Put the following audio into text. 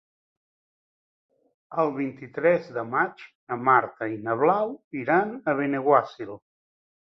El vint-i-tres de maig na Marta i na Blau iran a Benaguasil.